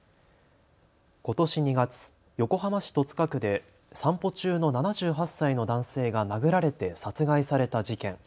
ことし２月、横浜市戸塚区で散歩中の７８歳の男性が殴られて殺害された事件。